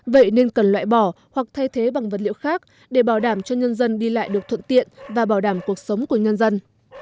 vậy nên cần loại bỏ hoặc thay thế bằng vật liệu khác để bảo đảm cho nhân dân đi lại được thuận tiện và bảo đảm cuộc sống của nhân dân